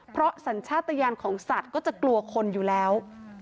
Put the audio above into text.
เพราะสัญชาติยานของสัตว์ก็จะกลัวคนอยู่แล้ว